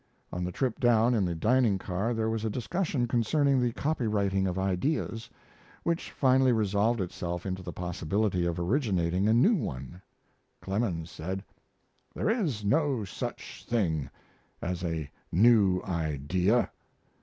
On the trip down in the dining car there was a discussion concerning the copyrighting of ideas, which finally resolved itself into the possibility of originating a new one. Clemens said: "There is no such thing as a new idea.